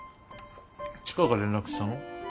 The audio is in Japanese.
千佳が連絡したの？